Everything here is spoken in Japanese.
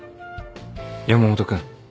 山本君